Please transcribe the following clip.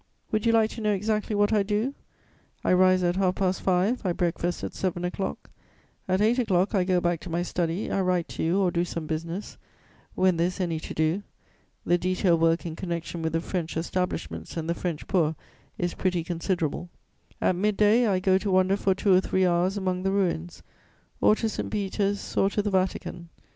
"Would you like to know exactly what I do? I rise at half past five, I breakfast at seven o'clock; at eight o'clock, I go back to my study, I write to you, or do some business, when there is any to do (the detail work in connection with the French establishments and the French poor is pretty considerable); at mid day, I go to wander for two or three hours among the ruins, or to St. Peter's, or to the Vatican.